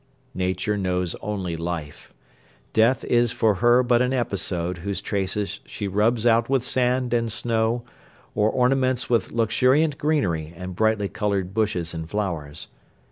Nature knows only life. Death is for her but an episode whose traces she rubs out with sand and snow or ornaments with luxuriant greenery and brightly colored bushes and flowers.